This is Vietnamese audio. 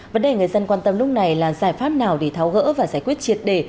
vấn đề người dân quan tâm lúc này là giải pháp nào để tháo gỡ và giải quyết triệt đề